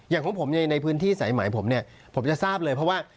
ของผมในพื้นที่สายไหมผมเนี่ยผมจะทราบเลยเพราะว่า